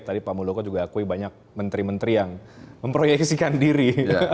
tadi pak muldoko juga akui banyak menteri menteri yang memproyeksikan diri